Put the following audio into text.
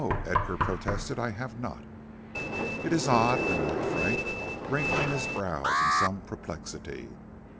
"No," Edgar protested, "I have not." "It is odd," remarked Frank, wrinkling his brows in some perplexity.